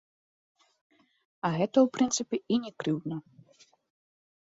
А гэта, у прынцыпе і не крыўдна.